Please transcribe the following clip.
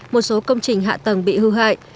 một số công trình hạ tầng bị hư hại